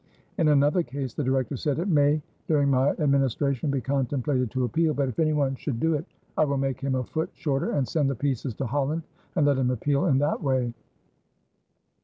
In another case the Director said: "It may during my administration be contemplated to appeal; but if anyone should do it, I will make him a foot shorter, and send the pieces to Holland and let him appeal in that way."